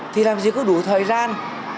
thì làm gì có đủ thời gian